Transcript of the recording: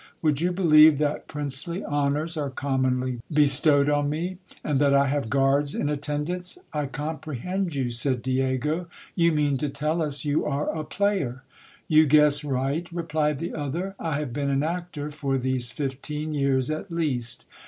Would you believe that princely honours are commonly bestowed on me, and that I have guards in attendance? I comprehend you, said Diego ; you mean to tell us, you are a player. You guess right, replied the other ; I have been an actor for these fifteen years at least.